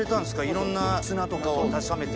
いろんな砂とかを確かめて。